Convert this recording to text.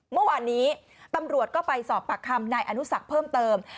เมื่อวานนี้ตำรวจก็ไปสอบปากคำนายอนุสักเพิ่มเติม